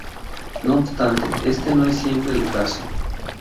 No obstante este no es siempre el caso.